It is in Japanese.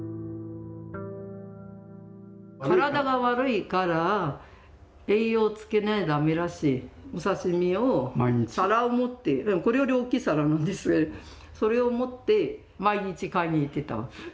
体が悪いから栄養をつけねば駄目らしお刺身を皿を持ってこれより大きい皿なんですけどそれを持って毎日買いに行ってたわけ。